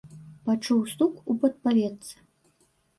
Пачуў стук у падпаветцы.